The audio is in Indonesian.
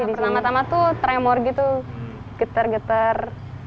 pertama tama itu tremor gitu getar getar